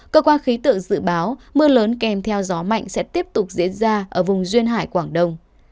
cơ quan khí tượng dự báo mưa lớn kèm theo gió mạnh sẽ tiếp tục diễn ra ở vùng duyên hải quảng đông